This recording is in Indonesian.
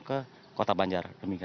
ke kota banjar